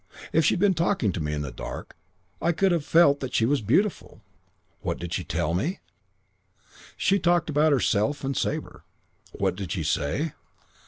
If she'd been talking to me in the dark I could have felt that she was beautiful. "What did she tell me? She talked about herself and Sabre. What did she say?